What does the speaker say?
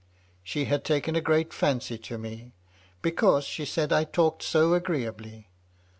She had taken a great fancy to me, because she said I talked so agreeably.